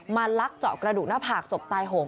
ลักเจาะกระดูกหน้าผากศพตายโหง